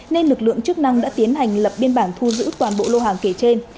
nên lực lượng chức năng đã tiến hành lập biên bản thu giữ toàn bộ lô hàng kể trên